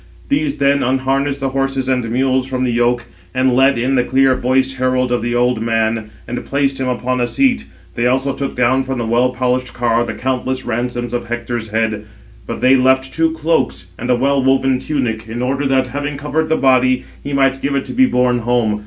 These then unharnessed the horses and mules from the yoke, and led in the clear voiced herald of the old man, and placed him upon a seat. They also took down from the well polished car the countless ransoms of Hector's head. But they left two cloaks and a well woven tunic, in order that, having covered the body, he might give it to be borne home.